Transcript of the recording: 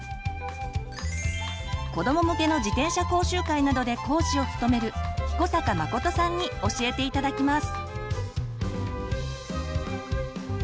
子ども向けの自転車講習会などで講師を務める彦坂誠さんに教えて頂きます。